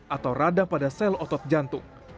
atau radang pada sel otot jantung